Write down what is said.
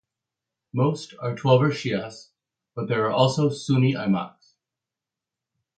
Most are Twelver Shias, but there are also Sunni Aimaks.